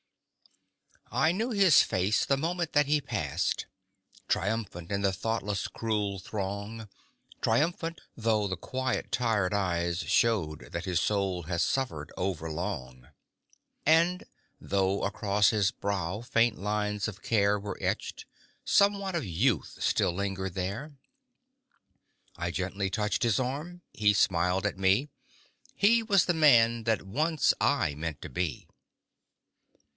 I knew his face the moment that he passed Triumphant in the thoughtless, cruel throng, Triumphant, though the quiet, tired eyes Showed that his soul had suffered overlong. And though across his brow faint lines of care Were etched, somewhat of Youth still lingered there. I gently touched his arm he smiled at me He was the Man that Once I Meant to Be!